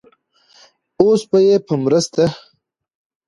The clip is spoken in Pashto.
اوس به يې په مرسته